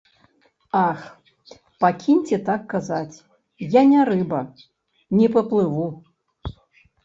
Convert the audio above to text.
Ах, пакіньце так казаць, я не рыба, не паплыву.